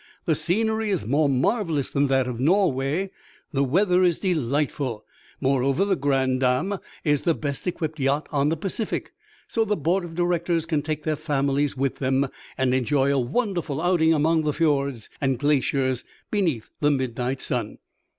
"The scenery is more marvellous than that of Norway, the weather is delightful. Moreover, The Grande Dame is the best equipped yacht on the Pacific, so the board of directors can take their families with them, and enjoy a wonderful outing among the fjords and glaciers beneath the midnight sun.